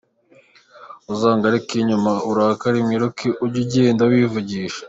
uzangangikirwa nyuma usare mwiruke unjye ugenda wivugisha.